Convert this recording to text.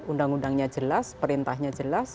undang undangnya jelas perintahnya jelas